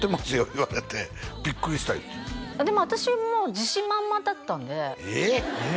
言われてビックリした言うてたでも私も自信満々だったんでええっ！？